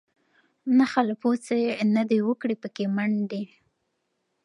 نه خالپوڅي نه دي وکړې پکښی منډي